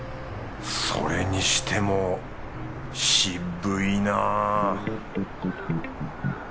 それにしても渋いな